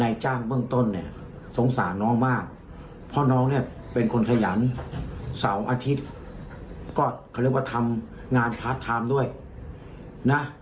แล้วก็ทำงานพาร์ทไทม์ด้วยนะ